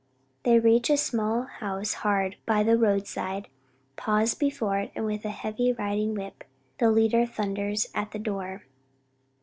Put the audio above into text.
They reach a small house hard by the road side, pause before it, and with a heavy riding whip the leader thunders at the door.